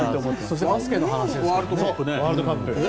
そしてバスケの話ですが。